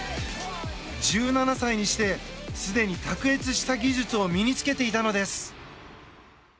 １７歳にしてすでに卓越した技術を身に着けていたのです。